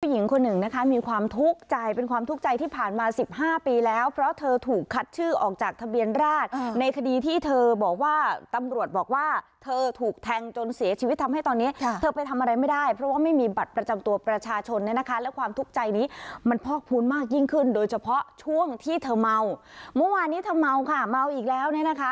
หญิงคนหนึ่งนะคะมีความทุกข์ใจเป็นความทุกข์ใจที่ผ่านมาสิบห้าปีแล้วเพราะเธอถูกคัดชื่อออกจากทะเบียนราชในคดีที่เธอบอกว่าตำรวจบอกว่าเธอถูกแทงจนเสียชีวิตทำให้ตอนนี้เธอไปทำอะไรไม่ได้เพราะว่าไม่มีบัตรประจำตัวประชาชนเนี่ยนะคะและความทุกข์ใจนี้มันพอกพูนมากยิ่งขึ้นโดยเฉพาะช่วงที่เธอเมาเมื่อวานนี้เธอเมาค่ะเมาอีกแล้วเนี่ยนะคะ